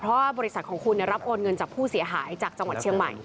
เพราะว่าบริษัทของคุณรับโอนเงินจากผู้เสียหายจากจังหวัดเชียงใหม่